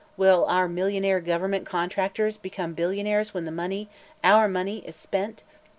Will our millionaire government contractors become billionaires when the money our money is spent?